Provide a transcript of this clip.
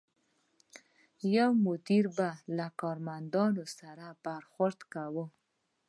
یو مدیر به له کارمندانو سره برخورد کوي.